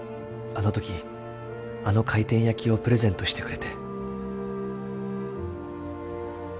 あの時あの回転焼きをプレゼントしてくれて。